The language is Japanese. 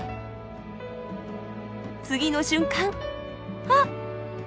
次の瞬間あ！